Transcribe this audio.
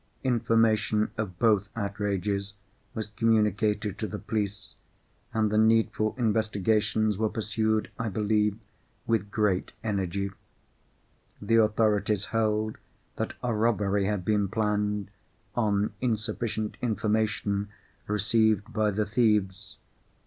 Information of both outrages was communicated to the police, and the needful investigations were pursued, I believe, with great energy. The authorities held that a robbery had been planned, on insufficient information received by the thieves.